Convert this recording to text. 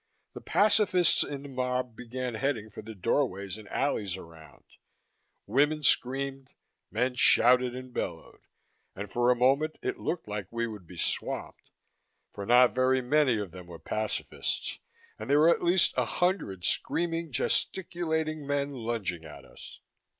The pacifists in the mob began heading for the doorways and alleys around; women screamed, men shouted and bellowed, and for a moment it looked like we would be swamped. For not very many of them were pacifists, and there were at least a hundred screaming, gesticulating men lunging at us.